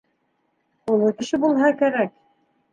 Оло кеше булһа кәрәк.